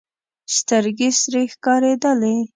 سترګې سرې ښکارېدلې.